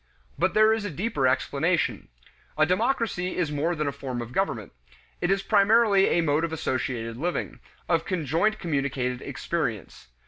But there is a deeper explanation. A democracy is more than a form of government; it is primarily a mode of associated living, of conjoint communicated experience.